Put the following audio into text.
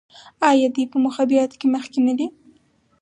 آیا دوی په مخابراتو کې مخکې نه دي؟